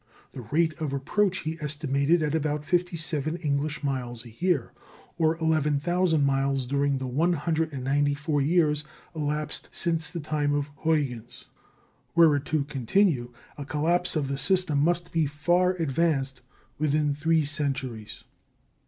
The rate of approach he estimated at about fifty seven English miles a year, or 11,000 miles during the 194 years elapsed since the time of Huygens. Were it to continue, a collapse of the system must be far advanced within three centuries.